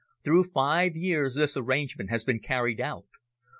Through five years this arrangement has been carried out.